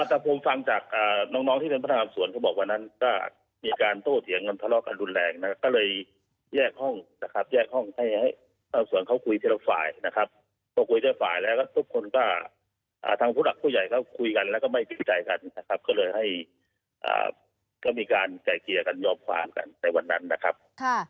ถ้าผมฟังจากน้องที่เป็นพนักงานสวนเขาบอกวันนั้นก็มีการโต้เถียงกันทะเลาะกันรุนแรงนะครับก็เลยแยกห้องนะครับแยกห้องให้ให้ชาวสวนเขาคุยทีละฝ่ายนะครับพอคุยได้ฝ่ายแล้วก็ทุกคนก็ทางผู้หลักผู้ใหญ่เขาคุยกันแล้วก็ไม่ติดใจกันนะครับก็เลยให้ก็มีการไกลเกลี่ยกันยอมความกันในวันนั้นนะครับ